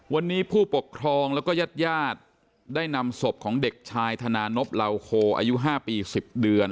วันนี้ผู้ปกครองแล้วก็ญาติญาติได้นำศพของเด็กชายธนานพเหล่าโคอายุ๕ปี๑๐เดือน